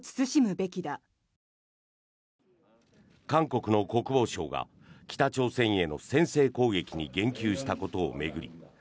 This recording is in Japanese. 韓国の国防相が北朝鮮への先制攻撃に言及したことを巡り